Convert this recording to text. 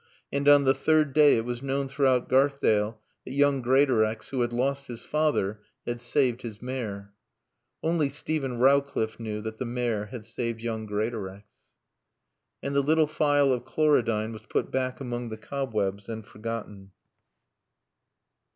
And on the third day it was known throughout Garthdale that young Greatorex, who had lost his father, had saved his mare. Only Steven Rowcliffe knew that the mare had saved young Greatorex. And the little phial of chlorodyne was put back among the cobwebs and forgotten.